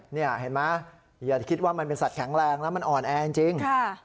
นี่เห็นไหมอย่าคิดว่ามันเป็นสัตว์แข็งแรงแล้วมันอ่อนแอจริง